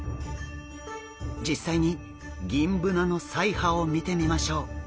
実際にギンブナの鰓耙を見てみましょう。